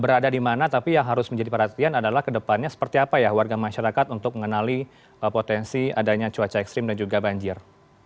berada di mana tapi yang harus menjadi perhatian adalah ke depannya seperti apa ya warga masyarakat untuk mengenali potensi adanya cuaca ekstrim dan juga banjir